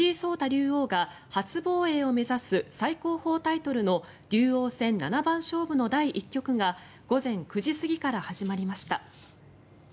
竜王が初防衛を目指す最高峰タイトルの竜王戦七番勝負の第１局が午前９時過ぎから始まりました。